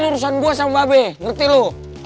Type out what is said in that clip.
urusan gua sama babe ngerti lu